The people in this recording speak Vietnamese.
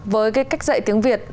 với cái cách dạy tiếng việt